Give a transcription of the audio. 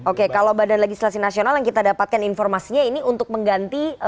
oke kalau badan legislasi nasional yang kita dapatkan informasinya ini untuk mengganti